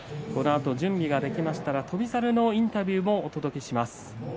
準備ができましたら翔猿のインタビューもお届けします。